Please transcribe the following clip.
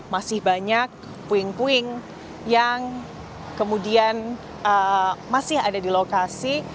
masih banyak puing puing yang kemudian masih ada di lokasi